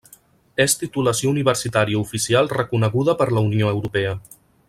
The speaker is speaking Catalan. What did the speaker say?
És titulació universitària oficial reconeguda per la Unió Europea.